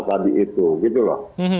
tadi itu gitu loh